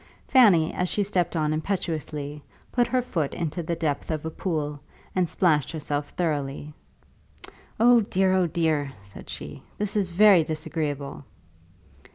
Fanny, as she stepped on impetuously, put her foot into the depth of a pool, and splashed herself thoroughly. "Oh dear, oh dear," said she; "this is very disagreeable."